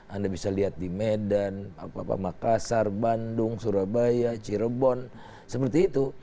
anda bisa lihat di medan makassar bandung surabaya cirebon seperti itu